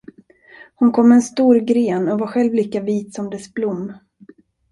Hon kom med en stor gren och var själv lika vit som dess blom.